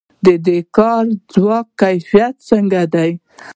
د کاري ځواک کیفیت څنګه دی؟